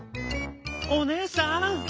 おねえさん！」。